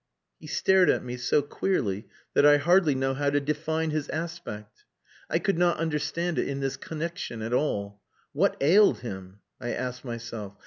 He stared at me so queerly that I hardly know how to define his aspect. I could not understand it in this connexion at all. What ailed him? I asked myself.